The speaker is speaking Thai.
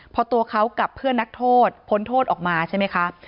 พอตัวเขากับเพื่อนนักโทษพ้นโทษออกมาใช่ไหมคะ